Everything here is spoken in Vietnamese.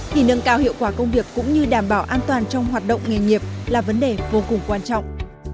thì nâng cao hiệu quả công việc cũng như đảm bảo an toàn trong hoạt động nghề nghiệp là vấn đề vô cùng quan trọng